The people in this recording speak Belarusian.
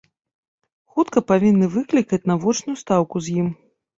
Хутка павінны выклікаць на вочную стаўку з ім.